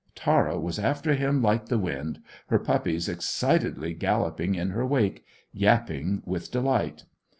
Tara was after him like the wind, her puppies excitedly galloping in her wake, yapping with delight.